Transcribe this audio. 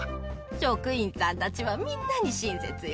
職員さんたちはみんなに親切よ。